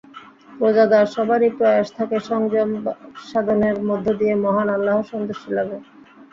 রোজাদার সবারই প্রয়াস থাকে সংযম সাধনের মধ্য দিয়ে মহান আল্লাহর সন্তুষ্টি লাভের।